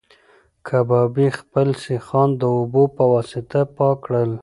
کبابي خپل سیخان د اوبو په واسطه پاک کړل.